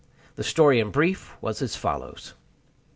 The story, in brief, was as follows.